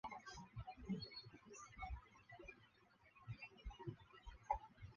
不行，不能放弃